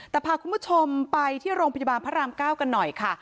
แต่พาคุณผู้ชมไปที่โรงพยาบาลพระราม๙กันหน่อยค่ะ